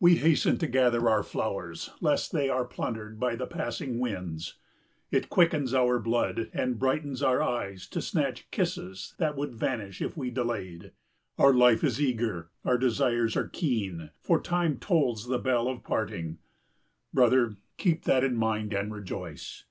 We hasten to gather our flowers lest they are plundered by the passing winds. It quickens our blood and brightens our eyes to snatch kisses that would vanish if we delayed. Our life is eager, our desires are keen, for time tolls the bell of parting. Brother, keep that in mind and rejoice.